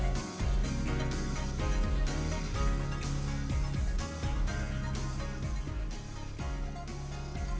pemirsa telah mencari tempat wisata